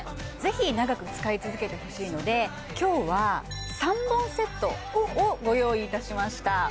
ぜひ長く使い続けてほしいので今日は３本セットをご用意いたしました